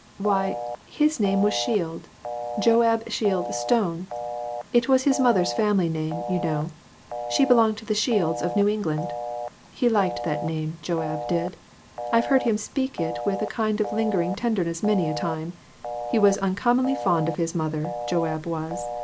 "Why, his name was Shield Joab Shield Stone ; it was his mother's family name, you know; she belonged to the Shields of New England. He liked the name, Joab did; I've heard him speak it with a kind of lingering ten derness many a time ; he was uncommonly fond of his mother, Joab was.